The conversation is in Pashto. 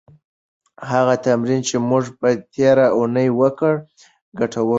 هغه تمرین چې موږ تېره اونۍ وکړه، ګټور و.